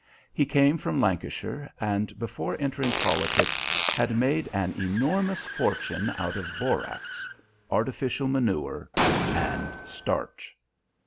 He came from Lancashire, and before entering politics had made an enormous fortune out of borax, artificial manure, and starch.